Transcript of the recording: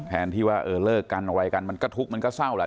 ที่ว่าเออเลิกกันอะไรกันมันก็ทุกข์มันก็เศร้าแหละ